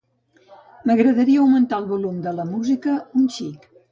M'agradaria augmentar el volum de la música un xic.